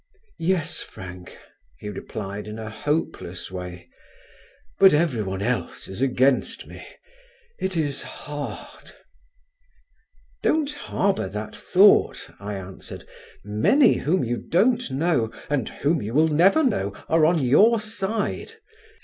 "Yes, Frank," he replied in a hopeless way, "but everyone else is against me: it is hard." "Don't harbour that thought," I answered; "many whom you don't know, and whom you will never know, are on your side.